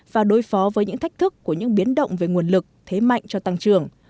và đối phó với những thách thức của những biến động về nguồn lực thế mạnh cho tăng trưởng